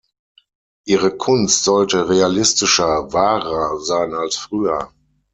Ihre Kunst sollte realistischer, „wahrer“ sein als früher.